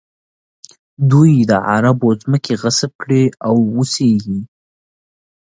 دوی د عربو ځمکې غصب کړي او اوسېږي.